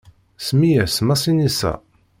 Semmi-as Masinisa.